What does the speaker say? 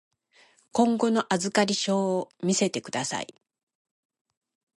今後の預かり証を見せてください。